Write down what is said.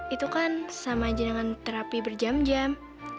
itu kan sama aja dengan terapi berjam jam